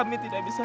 aku tidak bisa